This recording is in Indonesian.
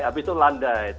habis itu landai